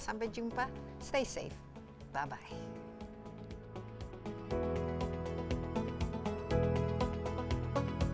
sampai jumpa stay safe bye bye